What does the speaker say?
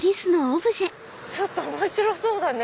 ちょっと面白そうだね！